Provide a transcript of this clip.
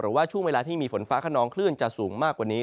ว่าช่วงเวลาที่มีฝนฟ้าขนองคลื่นจะสูงมากกว่านี้